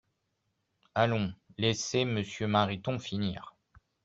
Allons, laissez Monsieur Mariton finir